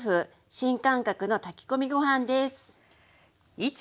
新感覚の炊き込みご飯です。